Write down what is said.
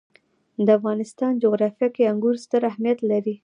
د افغانستان جغرافیه کې انګور ستر اهمیت لري.